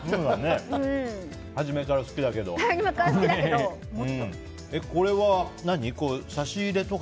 初めから好きだけど、もっと。